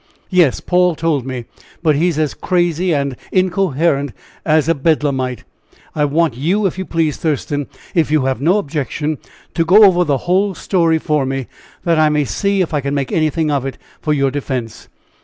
"Yes! Paul told me; but he is as crazy and incoherent as a Bedlamite! I want you, if you please, Thurston, if you have no objection, to go over the whole story for me, that I may see if I can make anything of it for your defense."